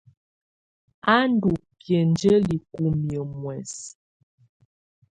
Á ndɔ́ biǝ́njǝ́li kúmiǝ́ muɛsɛ.